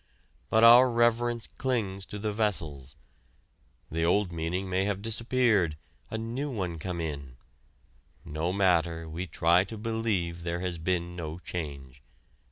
But our reverence clings to the vessels. The old meaning may have disappeared, a new one come in no matter, we try to believe there has been no change.